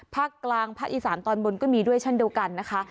ภาคกลางภาคอีสานตอนบนก็มีด้วยเช่นเดียวกันนะคะ